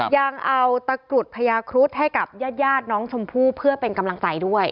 ยังเอาตะกรุดพญาครุฑให้กับญาติน้องชมพู่เพื่อเป็นกำลังใจด้วย